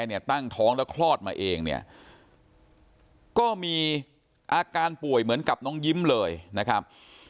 เนี่ยตั้งท้องแล้วคลอดมาเองเนี่ยก็มีอาการป่วยเหมือนกับน้องยิ้มเลยนะครับ